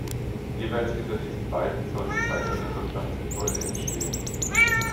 Jeweils hinter diesen beiden sollten weitere Wirtschaftsgebäude entstehen.